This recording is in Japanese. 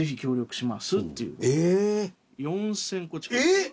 えっ！